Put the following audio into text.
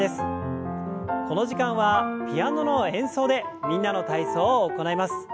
この時間はピアノの演奏で「みんなの体操」を行います。